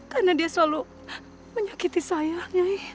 karena dia selalu menyakiti saya nyai